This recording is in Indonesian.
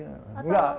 lebih muda ya